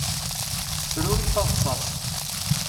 Tefruri taḍsa-s.